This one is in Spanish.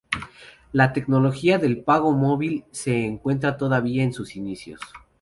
La tecnología de pago móvil se encuentra todavía en sus inicios.